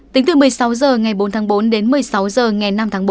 tính từ một mươi sáu h ngày bốn tháng bốn đến một mươi sáu h ngày năm tháng bảy